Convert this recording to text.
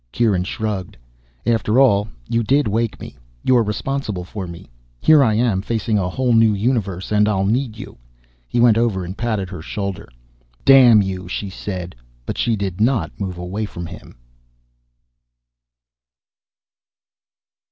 Kieran shrugged. "After all, you did wake me. You're responsible for me. Here I am, facing a whole new universe, and I'll need you." He went over and patted her shoulder. "Damn you," she said. But she did not move away from him.